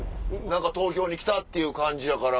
東京に来た！っていう感じやから。